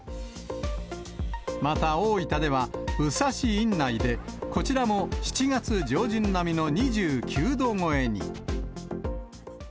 また大分では、宇佐市院内で、こちらも７月上旬並みの２９度超えに。